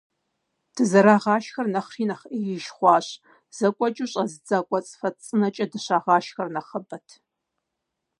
Дызэрагъашхэр нэхъри нэхъ Ӏеиж хъуащ: зэкӀуэкӀыу щӀэзыдза кӀуэцӀфэцӀ цӀынэкӀэ дыщагъашхэр нэхъыбэт.